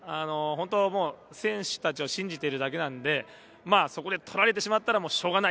選手たちを信じているだけなので、そこで取られてしまったらしょうがない。